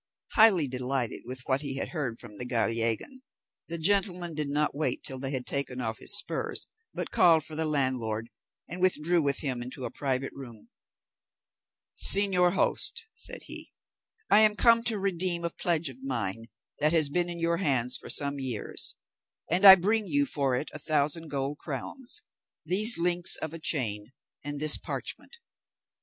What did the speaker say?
Highly delighted with what he had heard from the Gallegan, the gentleman did not wait till they had taken off his spurs, but called for the landlord, and withdrew with him into a private room. "Señor host," said he, "I am come to redeem a pledge of mine which has been in your hands for some years, and I bring you for it a thousand gold crowns, these links of a chain, and this parchment."